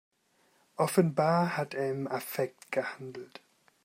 Offenbar hat er im Affekt gehandelt.